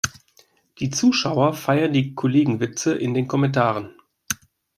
Die Zuschauer feiern die Kollegenwitze in den Kommentaren.